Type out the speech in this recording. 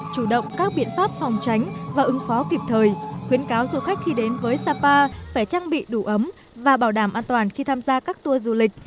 chủ động các biện pháp phòng tránh và ứng phó kịp thời khuyến cáo du khách khi đến với sapa phải trang bị đủ ấm và bảo đảm an toàn khi tham gia các tour du lịch